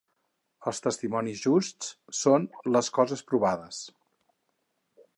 Els testimonis justs són les coses provades.